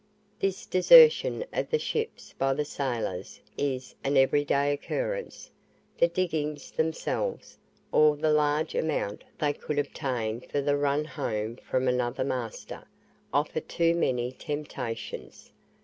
This desertion of the ships by the sailors is an every day occurrence; the diggings themselves, or the large amount they could obtain for the run home from another master, offer too many temptations.